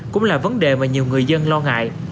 cũng là vấn đề mà nhiều người dân lo ngại